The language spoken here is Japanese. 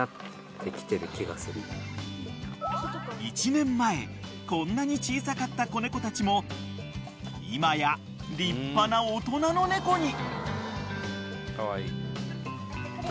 ［１年前こんなに小さかった子猫たちも今や立派な大人の猫に］